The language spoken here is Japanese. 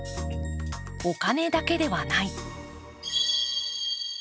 お金だけではない。